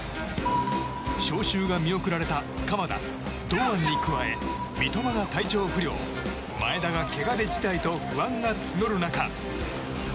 招集が見送られた鎌田、堂安に加え三笘が体調不良前田が、けがで辞退と不安が募る中。